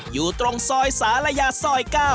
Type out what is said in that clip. อยู่ตรงซอยสารยาซอย๙